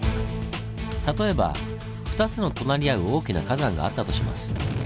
例えば２つの隣り合う大きな火山があったとします。